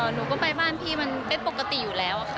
หนูก็ไปบ้านพี่มันเป็นปกติอยู่แล้วค่ะ